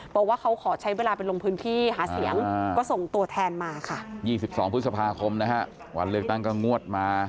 บอกว่าเขาขอใช้เวลาไปลงพื้นที่หาเสียงก็ส่งตัวแทนมา